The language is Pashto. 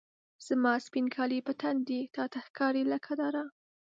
زما سپین کالي په تن دي، تا ته ښکاري لکه داره